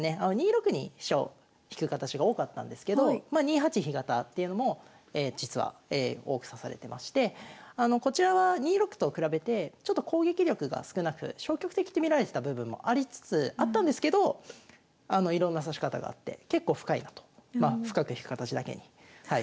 ２六に飛車を引く形が多かったんですけどま２八飛型っていうのも実は多く指されてましてこちらは２六と比べてちょっと攻撃力が少なく消極的に見られてた部分もありつつあったんですけどいろんな指し方があって結構深いなと。